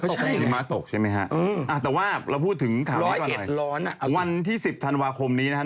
ใช่หิมะตกใช่ไหมฮะแต่ว่าเราพูดถึงข่าวร้อนก่อนร้อนวันที่๑๐ธันวาคมนี้นะครับ